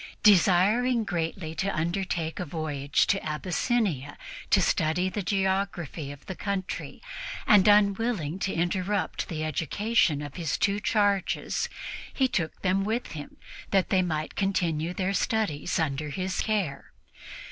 Desiring greatly to undertake a voyage to Abyssinia to study the geography of the country and unwilling to interrupt the education of his two young charges, he took them with him, that they might continue their studies under his care.